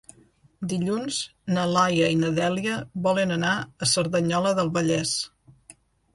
Dilluns na Laia i na Dèlia volen anar a Cerdanyola del Vallès.